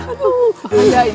aduh ini mami